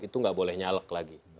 itu nggak boleh nyalek lagi